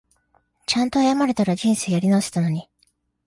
ちゃんと謝れたら人生やり直せたのに